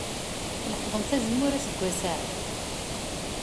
Tleqḍemt azemmur aseggas-a?